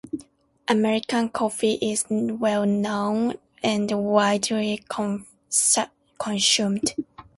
American coffee is well-known and widely consumed.